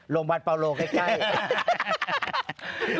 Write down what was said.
โรงพัฒน์ปาโล่ใกล้